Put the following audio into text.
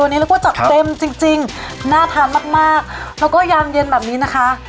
วันนี้เรียกว่าจัดเต็มจริงจริงน่าทานมากมากแล้วก็ยามเย็นแบบนี้นะคะ